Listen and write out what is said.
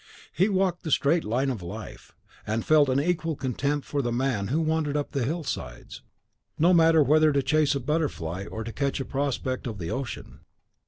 He walked the straight line of life, and felt an equal contempt for the man who wandered up the hill sides, no matter whether to chase a butterfly, or to catch a prospect of the ocean.